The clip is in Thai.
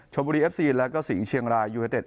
ชมบุรีเอฟซีแล้วก็สิงห์เชียงรายยูเนเต็